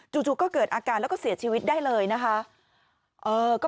จู่ก็เกิดอาการแล้วก็เสียชีวิตได้เลยนะคะ